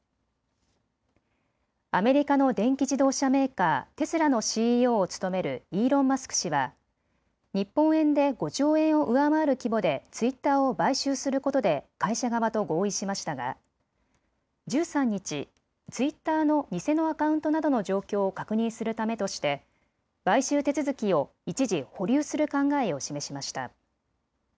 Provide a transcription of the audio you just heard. アメリカの電気自動車メーカー、テスラのＣＥＯを務めるイーロン・マスク氏は日本円で５兆円を上回る規模でツイッターを買収することで会社側と合意しましたが１３日、ツイッターの偽のアカウントなどの状況を確認するためとして買収手続きを一時保留する考えを示しました。